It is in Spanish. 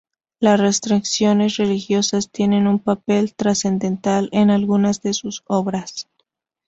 Las restricciones religiosas tienen un papel trascendental en algunas de sus obras.